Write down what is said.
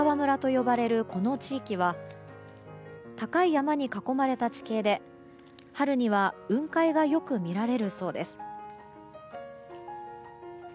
旧荒川村と呼ばれるこの地域は高い山に囲まれた地形で、春には雲海がよく見られるそうです。